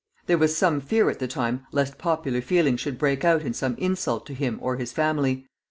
There was some fear at the time lest popular feeling should break out in some insult to him or his family.